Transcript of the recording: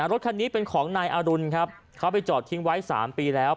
รถคันนี้เป็นของนายอรุณครับเขาไปจอดทิ้งไว้๓ปีแล้ว